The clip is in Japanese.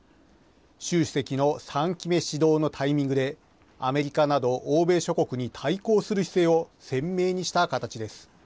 習主席の３期目始動のタイミングで、アメリカなど欧米諸国に対抗する姿勢を鮮明にした形です。